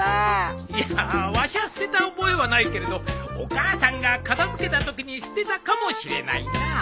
いやわしは捨てた覚えはないけれどお母さんが片付けたときに捨てたかもしれないなあ。